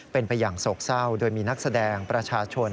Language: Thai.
เป็นไปอย่างโศกเศร้าโดยมีนักแสดงประชาชน